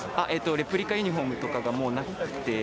レプリカユニホームとかがもうなくて。